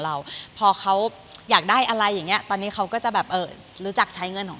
เราพอเขาอยากได้อะไรอย่างเงี้ยตอนนี้เขาก็จะแบบเอ่อรู้จักใช้เงินของ